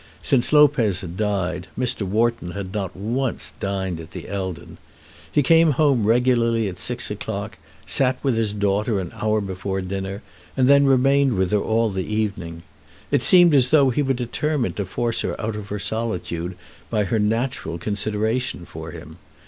Since Lopez had died Mr. Wharton had not once dined at the Eldon. He came home regularly at six o'clock, sat with his daughter an hour before dinner, and then remained with her all the evening. It seemed as though he were determined to force her out of her solitude by her natural consideration for him.